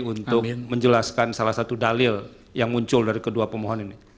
untuk menjelaskan salah satu dalil yang muncul dari kedua pemohon ini